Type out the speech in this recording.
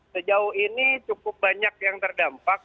sejauh ini cukup banyak yang terdampak